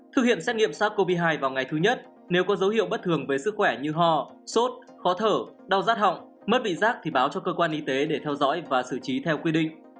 thực hiện xét nghiệm sars cov hai vào ngày thứ nhất nếu có dấu hiệu bất thường về sức khỏe như ho sốt khó thở đau rát họng mất vị giác thì báo cho cơ quan y tế để theo dõi và xử trí theo quy định